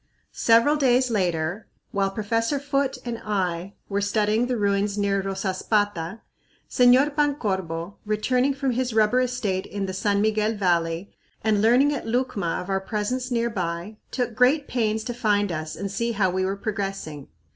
Several days later, while Professor Foote and I were studying the ruins near Rosaspata, Señor Pancorbo, returning from his rubber estate in the San Miguel Valley and learning at Lucma of our presence near by, took great pains to find us and see how we were progressing.